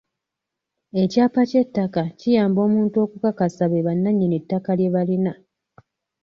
Ekyapa ky'ettaka kiyamba omuntu okukakasa be bannannyini ttaka lye balina.